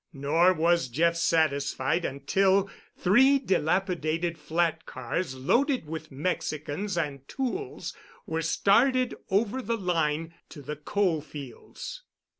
Nor was Jeff satisfied until three dilapidated flat cars loaded with Mexicans and tools were started over the line to the coal fields.